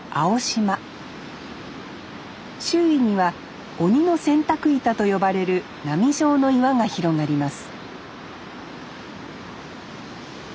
周囲には「鬼の洗濯板」と呼ばれる波状の岩が広がります